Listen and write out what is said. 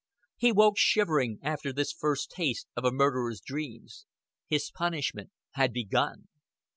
He woke shivering, after this first taste of a murderer's dreams. His punishment had begun.